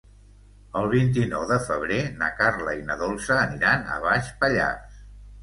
El vint-i-nou de febrer na Carla i na Dolça aniran a Baix Pallars.